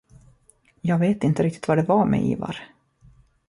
Jag vet inte riktigt vad det var med Ivar.